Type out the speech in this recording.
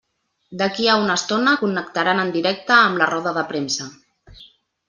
D'aquí a una estona connectaran en directe amb la roda de premsa.